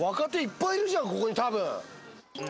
ここに多分。